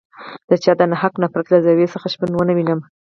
د چا د ناحقه نفرت له زاویې څخه شپون ونه وینم.